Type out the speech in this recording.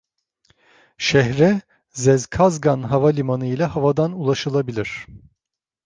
Şehre Zhezkazgan Havalimanı ile havadan ulaşılabilir.